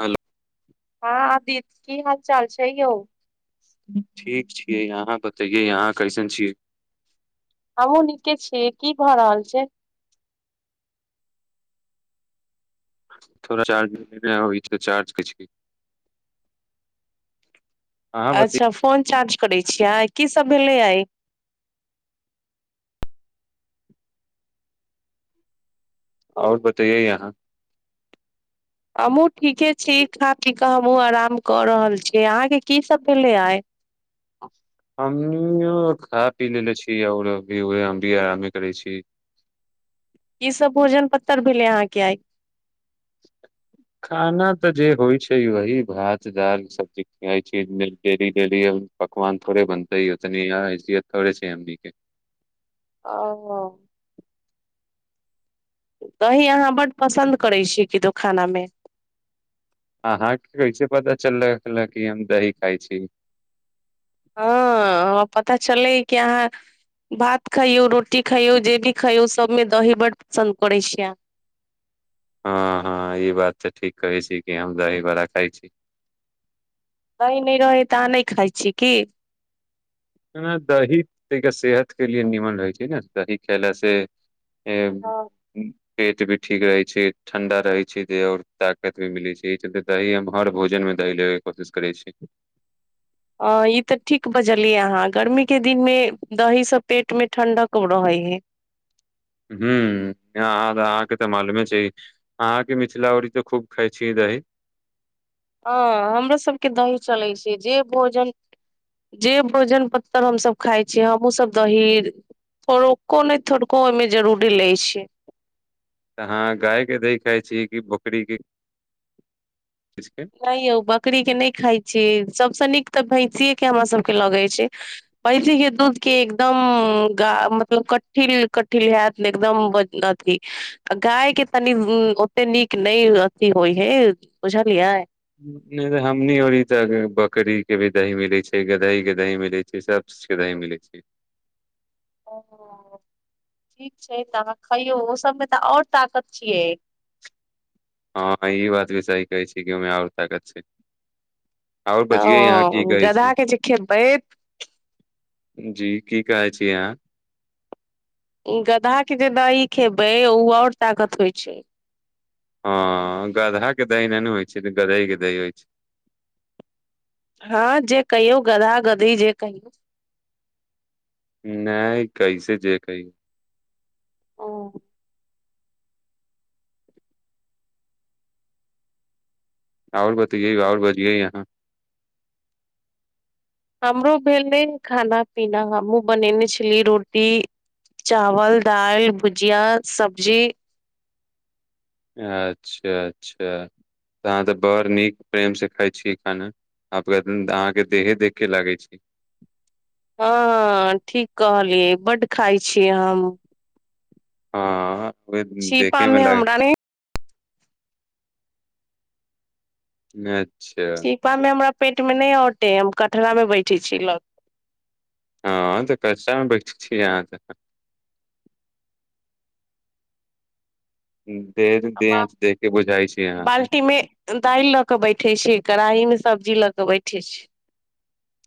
hello हँ आदित्य की हाल चाल छै यौ ठीक छियै यहाँ बतैे यहाँ कैसन छियै हमहूँ नीके छियै की भऽ रहल छै तोड़रा चार्ज होइ त चार्ज कि कि अहाँ बतै अच्छा फोन चार्ज करै छियै आइ की सब भेलै आइ आओर बतैए आहाँ हमहूँ ठीके छी खा पी कऽ हमहूँ आराम कऽ रहल छियै अहाँके कीसभ भेलै आइ हम खा पी लेले छी आओर अभी वेहै हम भी आरमे करै छी की सब भोजन पत्तर भेले आहाँ के आय [inaudible] खाना तऽ जे होइ छै वही भात दाल सबजी खइ छी डेली डेली पकवान थोड़े बनतै तनी या हैसियत थड़े छै एमनी के ओ दही अहाँ बड्ड पसन्द करै छियै किदु खाना मे अहाके कैसे पता चललक की हम दही खाय छी हँ हमरा पता चललै की अहाँ भात खायौ रोटी खायौ जे भी खायौ सबमे दही बड्ड पसन्द करै छी आहाँ हँ हँ ई बात तऽ ठीक कहै छी कि हम दही बड़ा खाय छी दही नैय रहै तऽ अहाँ नइ खाइ छियै की दही तनिका सेहत के लिए निमन रहै छै न दही खयला से [inaudible] हँ पेट भी ठीक रहै छै ठण्डा रहै छै देह आओर ताकत भी मिलै छै एही चलते दही हम हर भोजनमे दही लेबेके कोशिश करै छी अ ई तऽ ठीक बजलियै अहाँ गर्मी के दिन मे दही सब पेट मे ठंडक रहे हेय हू अहाँके तऽ मालूमे छै अहाँके मिथिला ओरी तऽ खूब खाई छिये दही ह हमरो सबके दही चलै छै जे भोजन जे भोजन पत्तर हमसभ खाय छियै हमहु सब दही थोड़को ने थोड़को ओहिमे जरूरी लेय छिये तऽ हँ गायके दही खाइ छी की बकरीके नहि यौ बकरी के नहि खााय छी सबस नीक तऽ भैंसीे के हमरा सबके लगे छै भैषी के दूध के एकदम मतलब कठिन कठिन हैत एकदम अथि गाय के तनी ओते नीक नहि अथी होइ हे बुझलियै नैय त हमनी ओरी तऽ बकरी के भी दही मिलै छै गदई के दही मिलै छै सब के दही मिलै छै ओ ठीक छै तऽ अहाँ खइयौ ओ सभमे तऽ आओर ताकत छियै हँ ई बात भी सही कहै छी कि ओहिमे आओर ताकत छै आओर बजियै यहाँ की ह कहै छी गदहा के जे खेबै जी की कहे छी आहाँ गधा के जे दी खेबै उ आऔर ताकत होइ छै हँ गधा के दहि ने ने होइ छै गदई के दही होइ छै हँ जे कहियौ गधा गधी जे कहियौ नहि कैसे जे कहै ओ आओर बतैै आओर बजियै अहाँ हमरो भेलै खाना पीना हमहुँ बनेने छली रोटी चावल दाल भुजिया सब्जी अच्छा अच्छा त अहाँ तऽ बड़ नीक प्रेमसँ खाइ छीिय खाना आब कन अहाँ के देहे देखे लागै छै हँ ठीक कहलियै बड्ड खााय छीय हम हँ ओ छीपा देखेमे मे ल हमरा नहि अच्छा छीपा मे हमरा पेट मे नहि औटे हम कटरा मे बैठे छी ल हँ तऽ कचामे बैठ छी अहाँ त अबा देखें के बुझाइ छी अहाँके बाल्टी मे दालि लऽ के बैठे छी कड़ाही मे सब्जी लऽ के बैठे छी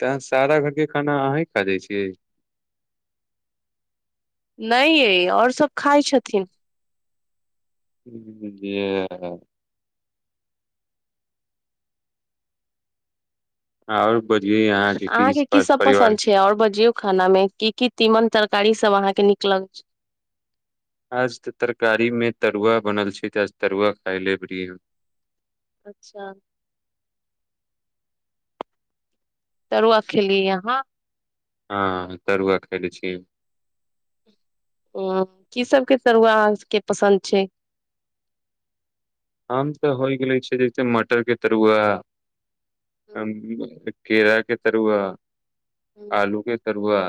तऽ सारा घर के खाना अही खा जाइ छियै नहि ए आओर सब खाइ छथिन ह [inaudible] आओर बझिय यहाँके की अहाँके सब परिवार पसन्द और बजियौ खाना में की की तीमन तरकारी सब अहा के निक लग छै आज तऽ तरकारी में तरुआ बनल छै त आज तरुआ खाय लेबी अच्छा तरुआ खेलियै अहाँ हँ तरुआ खायले छी ह की सबके तरुआ आहा सभके पसन्द छै हम तऽ होइ गेले छै जैसे मटर के तरुआ हूँ केरा के तरुआ हूँ आलू के तरुआ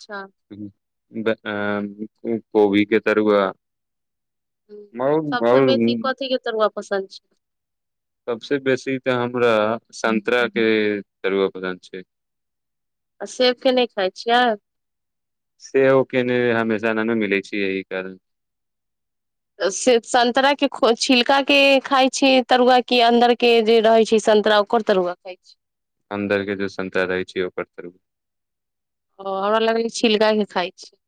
अच्छा कोबी के तरुआ सबसे आओर बेसि‌ कथीक तरुआ पसंद छै सबसे बेसी तऽ हमरा संन्तरा के तरुआ पसन्द छै आ सेबके नहि खाइ छियै सेब ओ के ने हमेशा नहि ने मिलै छै यह कारण से संतरा के छिलका के खाय छि तरुआ के अन्दर के जे रहे छै संतरा ओकर तरुआ खै छी अन्दर के ज संतरा रहै छै ओकर ओ हमरा लगलै छिलका के खाई छियै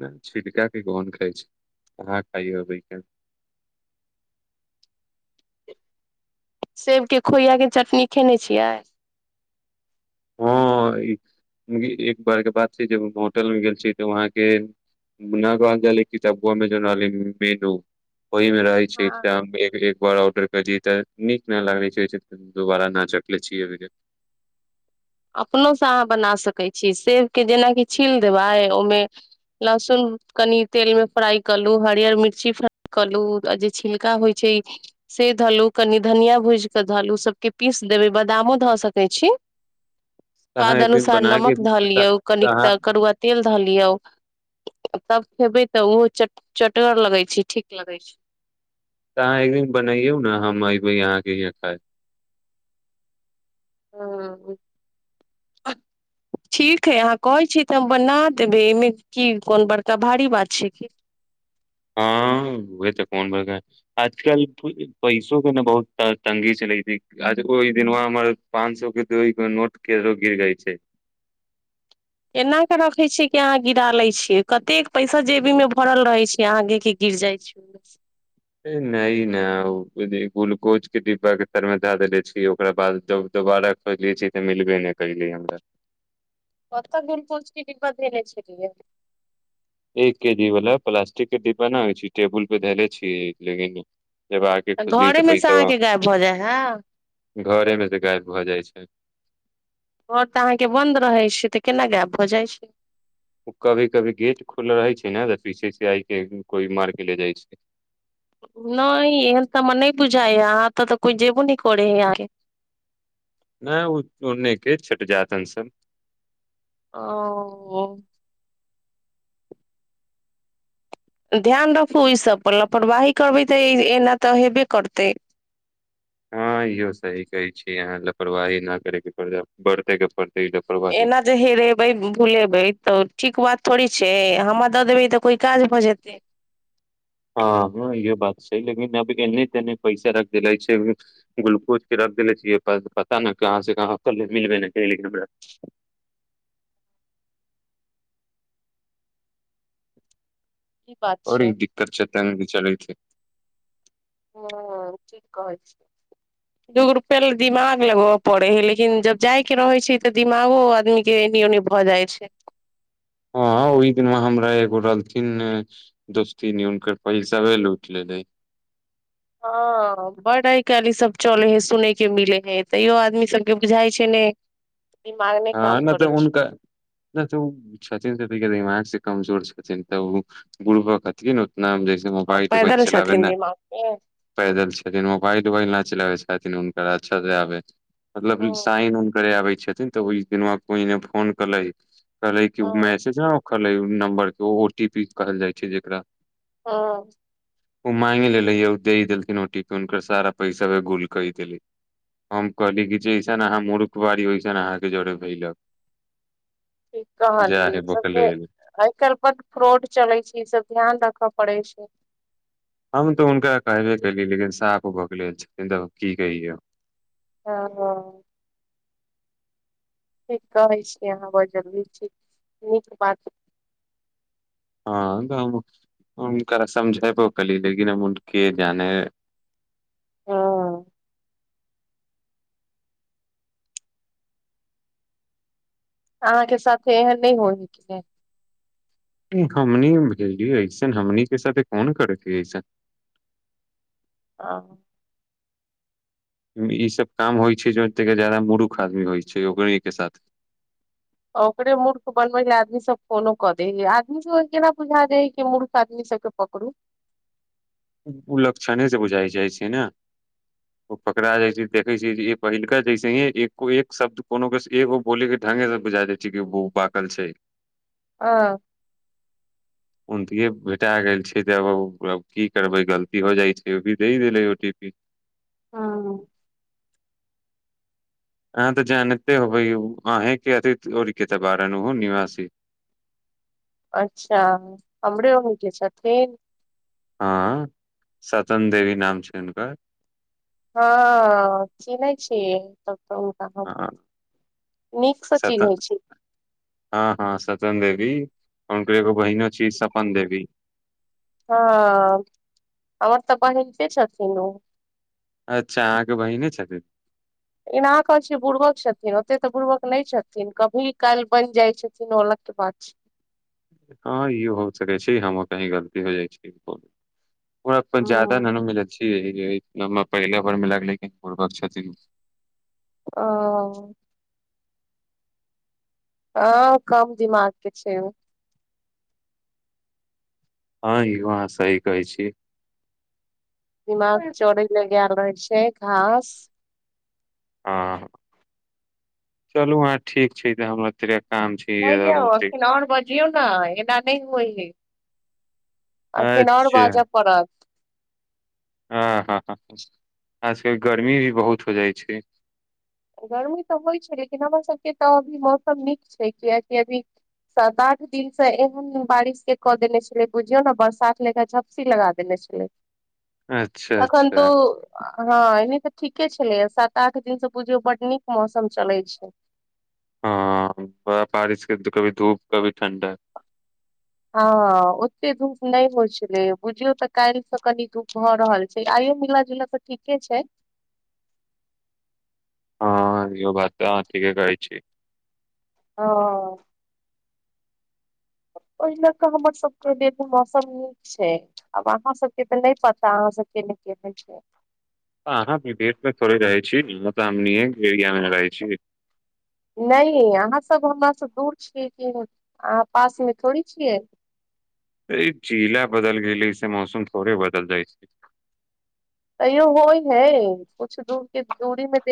नहि छिलका के कोन खाइ छै अहाँ खाइ हेबै कहि सेब के खोइआ के चटनी खेने छियै हँ एक बार के बात छै जब हम होटल मे गेल छी तऽ वहाँके मुनाग अञजली क तब अमे उनी मेन [inaudible] ओहि मे रहै छै हँ एक बार औडर केलिए तऽ नीक न लागे छै दुोबारा ना चखले छियै अपनोसँ अहाँ बना सकैत छियै सेब के जेनाकि छील देबै ओहिमे लहसुन कनि तेल में फ्राई कलू हरियर मिर्ची फ्राई कलू जे छिलका होइ छै से धलु कनि धनिया भूज के धलू सबके पीस देबै बादामो धऽ सकैत छी तऽ अहाँ स्वाद एक दिन अनुसार बना के नमक धऽ तऽ तऽ लियौ कनिक अहाँ तऽ करुआ तेल धऽ लियौ तब खेबै तऽ ओहो च चटगर लगै छै ठीक लगै छै तऽ अहाँ एक दिन बनैयौ ने हम एयबे अहाँके यहां खाय ह [inaudible] ठीक हइ अहाँ कहैत छी तऽ हम बना देबै एहिमे की कोन बड़का भारी बात छै कि हँ ओहे तऽ कोन बरका आजकल पैसो के ने बहुत तंगी चली ओहि दिन वह हमर पांच सौ के दो नोट किधरो गिर गेल छै एना के रखे छी की अहाँ गिरा ले छीे कते पैसा जेबी में भरल रहे छीे आहाँ के की गिर जाय छै छ [inaudible] न ने ग्लूकोज के डिब्बा के तर मे दए देेले छी ओकरा बाद दोबारा खोजे छी तऽ मिलबे नहि कलय हमरा कतऽ दूर पहुच की कि बाद झ छलिय एक के जी वला प्लास्टिक के डिब्बा नहि होइ छै टेबुल पे धले छीये लेकिन जब आके खोजली तऽ घरेमे से पैसा अहाँके गायब भऽ जाइ हइ घरे मे से गायब भऽ जाइ छै घर तऽ अहाँके बंन्द रहै छै तऽ केना गायब भऽ जाइ छै कभी कभी गेट खुल रहे छै ने तऽ पीछे से आइ के कोइ मार के ले जाइ छै नही एहन तऽ हमरा नहि बुझाय ह यहाँ त तऽ कोइ जेबो न करे है ये अहाँ के नहि ओने के छट जातन सब ओ ध्यान रखू ई सब पर लापरवाही करबै तऽ एना तऽ हेबे करतै हँ इहो सही कहे छी अहाँ लापरवाही न करे के पड़त बढ़ते के पड़ते लापरवाही एना जे हेरेबै भुलेबै तऽ ठीक बात थोड़ी छै हमरा दऽ देबै तऽ कोई काज भऽ जेतै हँ हँ इह बात छै लेकिन अभ एने तेने पैसा रख दे छै ग्लूकोजके रख देले छियै पता नहि कहाँसँ कहाँ के मिलबे ने छै लेकिन हमरा ई बात बरि छै दिक्कत च‌ तंगि मे भी चलै छै हँ ठीक कहै छियै [inaudible] दूगो रुपया ल दिमाग लगबय पड़े है लेकिन जब जाय के रहे छै तऽ दिमागो आदमी जे एनी ओनी भऽ जाइ छै हँ ओहि दिनमे हमरा एगो रहलथिन दोस्ती न उनके पैसा वे ल उठल रहै हँ बड आइ काल्ह ई सब चले हे सुनय के मिले हे तैयो आदमी सबके बुझाई छै ने दिमाग हँ काम नहि तऽ करै छै उनका नहि तऽ छथिन त त दिमाग से कमजोर छथिन तऽ ओ गुरुबकथिन उतना जैसे आ मोबाईल औबाइल पैदल चलाबैन छथिन ने दिमाग पे पैदल छथिन मोबाइल औबाइल नहि चलाबै छथिन हुनकर अच्छा से आबै मतलब हँ साइन उन करय आबै छथिन तऽ ओहि द कोइने फोन कले कहलै कि हँ मैसेज ह ओ कहलै नम्बर के ओ टी पी कहल जाइ छै जेकरा हँ ओ मांगे लेले ह दे देलथिन औ ति पी के हुनकर सारा पैसा व गुल कै देले हम कहली कि जइसन अहाँ मूर्ख बारी ओइसन अहाँके जड़े भेलक ठीक कहली ई सबके आइ काल्हनपर फ्रॉड चलै छै ई सब ध्यान राखय पड़े छै हम तऽ हुनका कहबे कली लेकिन साफ भऽ गेल छथिन तऽ की कहिय ह हँ ठीक कहै छी अहाँ बहुत जरुरी छी नीक बात हँ हम हुनकरा समझेबो कलीय लेकिन हम उनका के जाने हँ अहाँ के साथे एहन नहि हो हेके हमनी भेज ऐसन हमनी के साथे कोन करै ह ऐसन आ ई सब काम होइ छै जे ओते जादा मूर्ख आदमी होइ छै ओकरे के साथ ओकरे मूर्ख बनबै ल आदमी सब फोनो कऽ देै ह आदमी सब केना बुझा द है कि मूर्ख आदमी सबके पकड़ू उ लक्षने से बुझाय जाइ छै ने ओ पकड़ा जाय छै देखे छै जे पहिलका जैसे ह एको एक शब् कोनो एगो बोल के ढंगे से बुझा देय जग उ पाकल छै आ उन्ते भेटा गेल छै त ओकरा तब की करबै गलती हो जाइ छै ओ भी द देलै ओ टी पी हँ अह तऽ जानते होबै अहे क अथि ओ कत बारहन निवासी अच्छा हमरे हो जे छथिन हँ सतन देवी नाम छै हुनकर हँ चिहै छियै त तऽ हम हँ नीकसँ चिन्है सतन छी हँ हँ सतन देवी कन कर एक बहिन अ छी सपन देवी हँ हमर तऽ बहिन के छथिन अच्छा अहाँके बहिने छथिन एना कर छ बुर्बक छथिन ओते तऽ बुर्बक नहि छथिन कभी काल्हि बनि जाइ छथिन ओलग के बात छै हँ ई हो सकै छै हमर कही गलती हो जाइ छै ओ अपन ज्याददा नहिनू मिलै छीय पहिले भर मे लेकिन बुरबक छथिन ओ ह कम दिमाग के छै हँ इहो अहाँ सही कहै छी दिमाग चरैय लय गेल रहै छै घास हँ चलू हँ ठीक छै तऽ हमरा तनि काम छै नहि यअ यौ ओते अखन आओर बजियौ ने एना नहि होए हे अखन आओर अच्छा बाजऽ पड़त हँ हँ आजकल गर्मी भी बहुत हो जाइ छै गर्मी तऽ होइ छै लेकिन हमर सबके तऽ अभी मौसम नीक छै कियकि अभी सात आठ दिन से एहन बारिश के कऽ देने छलेै बुझियो ने बरसात ले क लगा दने छलै अच्छा तखन तो अच्छा हँ एने तऽ ठीके छलै सात आठ दिनसँ बुझियौ बड नीक मौसम चलैय छै हँ बड़ा बारिशके कभी धूप कभी ठण्डा ह ओते धूप नहि होइत छलै बुझियौ तऽ काल्हिसँ कनी धूप भऽ रहल छै आइयो मिला जुल तऽ ठीके छै हँ यौ बात अहाँ ठीके कहै छी ओ ओहि लए कऽ हमर सबके देमे मौसम नीक छै आब अहाँ सभके तऽ नहि पता अहाँसभ केने के होइ छै अहाँ मे गेट पर थोड़े रहै छी तऽ हमनी एरिया मे रहै छी नहि अहाँ सब हमर से दूर छीयै कि अहाँ पास मे थोड़ी छियै अ जिला बदल गेलैऐसे मौसम थोड़े बदल जाइ छै तैयो हो ही है कुछु दूर के दूरी में देख